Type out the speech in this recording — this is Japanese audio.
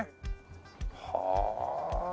はあ。